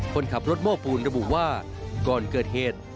คนขับรถโม้ปูนระบุว่าก่อนเกิดเหตุ